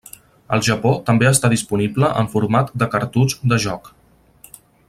Al Japó també està disponible en format de cartutx de joc.